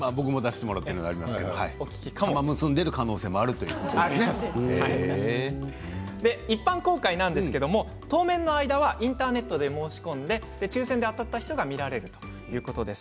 たまをむすんでいる可能性も一般公開なんですが当面の間はインターネットで申し込んで抽せんで当たった人が見られるということです。